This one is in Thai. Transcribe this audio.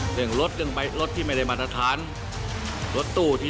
สนุนโดยเอกลักษณ์ใหม่ในแบบที่เป็นคุณโอลี่คัมรี่